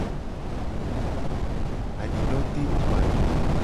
Adidoteduame.